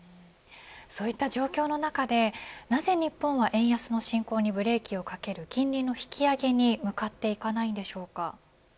そういった状況の中でなぜ日本は円安の進行にブレーキをかける金利の引き上げに向かっていかないのでしょうか。